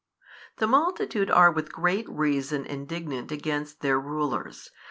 The multitude are with great reason indignant against their rulers.